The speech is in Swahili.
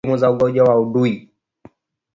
Dalili muhimu za ugonjwa wa ndui